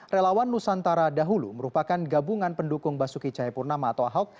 relawan nusantara dahulu merupakan gabungan pendukung basuki cahayapurnama atau ahok